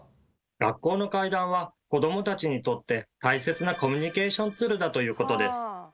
学校の怪談は子どもたちにとって大切なコミュニケーションツールだということです。